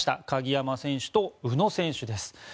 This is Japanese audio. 鍵山選手と宇野選手です。